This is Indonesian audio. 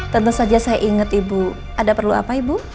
tentu saja saya ingat ibu ada perlu apa ibu